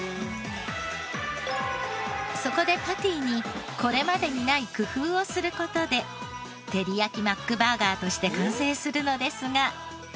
そこでパティにこれまでにない工夫をする事でてりやきマックバーガーとして完成するのですが。